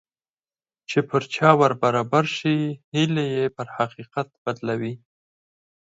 چې په چا ور برابر شي هيلې يې پر حقيقت بدلوي.